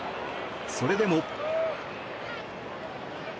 それでも。